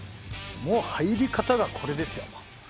入り方が、これですよ。